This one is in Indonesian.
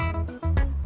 aduh gimana nih